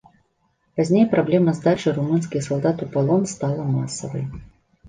Пазней праблема здачы румынскіх салдат у палон стала масавай.